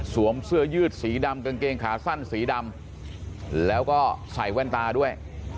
เสื้อยืดสีดำกางเกงขาสั้นสีดำแล้วก็ใส่แว่นตาด้วย